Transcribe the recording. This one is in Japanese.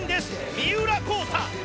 三浦孝太！